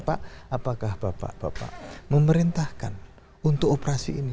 pak apakah bapak bapak memerintahkan untuk operasi ini